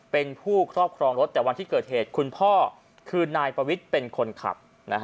เป็นผู้ครอบครองรถแต่วันที่เกิดเหตุคุณพ่อคือนายปวิทย์เป็นคนขับ